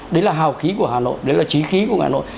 đấy là hào khí của hà nội đấy là trí khí của hà nội